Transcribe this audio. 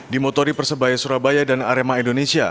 di motori persebaya surabaya dan arema indonesia